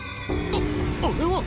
あっあれは！